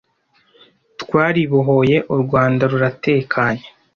twaribohoye u Rwanda ruratekanye